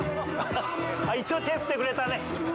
一応、手を振ってくれたね。